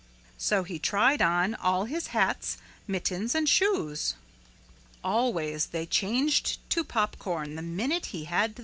So he tried on all his hats, mittens and shoes. Always they changed to popcorn the minute he had them on.